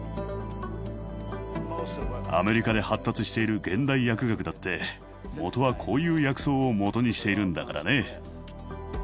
アメリカで発達している現代薬学だってもとはこういう薬草をもとにしているんだからね。